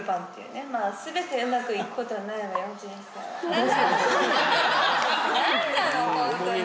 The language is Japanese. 何なのホントに。